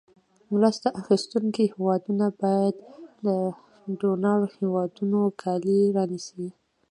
مرسته اخیستونکې هېوادونو باید د ډونر هېوادونو کالي رانیسي.